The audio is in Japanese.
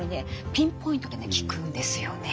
ピンポイントでね効くんですよね。